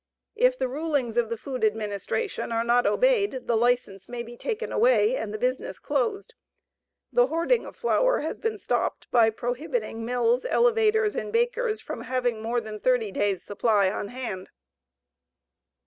If the rulings of the Food Administration are not obeyed the license may be taken away, and the business closed. The hoarding of flour has been stopped by prohibiting mills, elevators, and bakers from having more than 30 days' supply on hand.